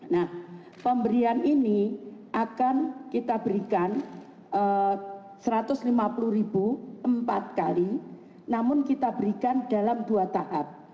nah pemberian ini akan kita berikan satu ratus lima puluh empat kali namun kita berikan dalam dua tahap